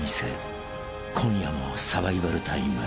［今夜もサバイバルタイム］